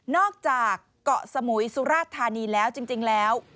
อกจากเกาะสมุยสุราชธานีแล้วจริงแล้ว